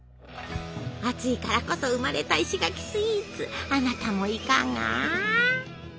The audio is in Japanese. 暑いからこそ生まれた石垣スイーツあなたもいかが！